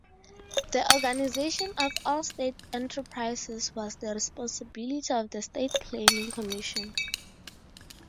The organisation of all state enterprises was the responsibility of the State Planning Commission.